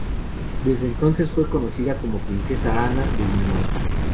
Desde entonces fue conocida como Princesa Ana de Dinamarca.